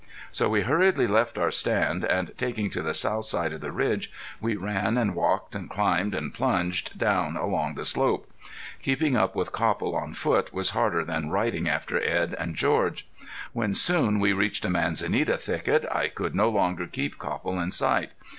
So we hurriedly left our stand, and taking to the South side of the ridge, we ran and walked and climbed and plunged down along the slope. Keeping up with Copple on foot was harder than riding after Edd and George. When soon we reached a manzanita thicket I could no longer keep Copple in sight.